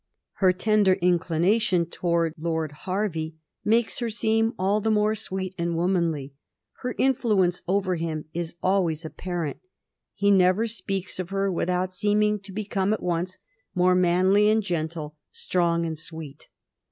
Her tender inclination towards Lord Hervey makes her seem all the more sweet and womanly; her influence over him is always apparent. He never speaks of her without seeming to become at once more manly and gentle, strong and sweet.